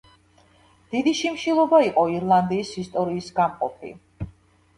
დიდი შიმშილობა იყო ირლანდიის ისტორიის გამყოფი.